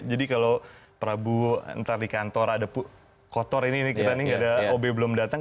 jadi kalau pak abu nanti di kantor ada kotor ini kita ini tidak ada ob belum datang